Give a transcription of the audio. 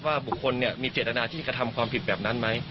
บุคคลมีเจตนาที่กระทำความผิดแบบนั้นไหม